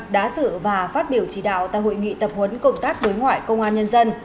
đã dự và phát biểu chỉ đạo tại hội nghị tập huấn công tác đối ngoại công an nhân dân